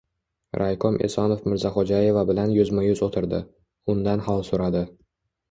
Raykom Esonov Mirzaxo‘jaeva bilan yuzma-yuz o‘tirdi. Undan hol so‘radi.